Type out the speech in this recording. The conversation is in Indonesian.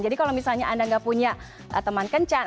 jadi kalau misalnya anda nggak punya teman kencan